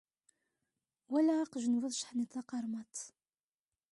Walaɣ aqjun bu tajeḥniḍt taqeṛmaḍt.